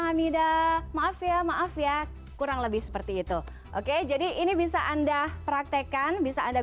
hamida maaf ya maaf ya kurang lebih seperti itu oke jadi ini bisa anda praktekkan bisa anda